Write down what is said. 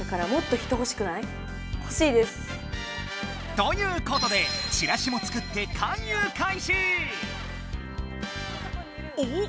ということでチラシも作っておっ！